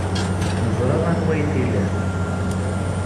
Neẓra anwa ay t-ilan.